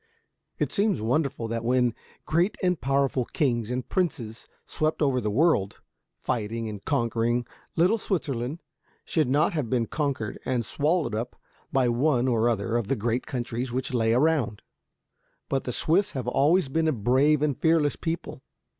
It seems wonderful that when great and powerful kings and princes swept over the world, fighting and conquering, little Switzerland should not have been conquered and swallowed up by one or other of the great countries which lay around. But the Swiss have always been a brave and fearless people.